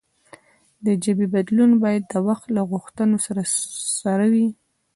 د ژبې بدلون باید د وخت له غوښتنو سره وي.